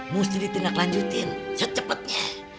mesti ditindak lanjutin secepetnya